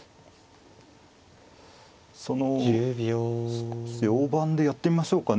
その少し大盤でやってみましょうかね。